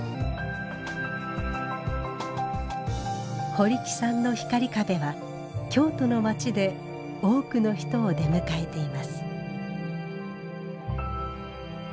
堀木さんの光壁は京都の街で多くの人を出迎えています。